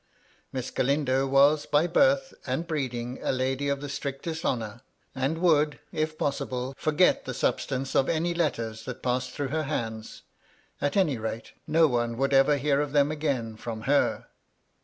Miss Galindo was by birth and breeding a lady of the strictest honour, and would, if possible, forget the substance of any letters that passed through her hands ; at any rate, no one would ever hear of them again from her.